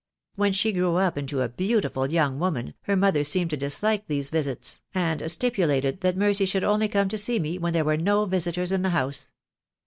When she grew up into a beautiful young woman her mother seemed to dislike these visits, and stipulated that Mercy should only come to see me when there were no visitors in the house.